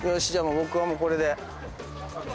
僕はもうこれで。